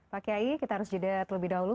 pak kiai kita harus jedet lebih dahulu